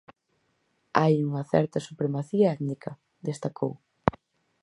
"Hai unha certa supremacía étnica", destacou.